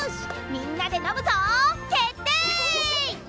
みんなで飲むぞ！決定！